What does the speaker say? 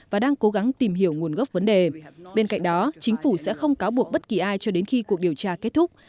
và đang cố gắng tìm hiểu nguồn gốc vấn đề bên cạnh đó chính phủ sẽ không cáo buộc bất kỳ ai cho đến khi cuộc điều tra kết thúc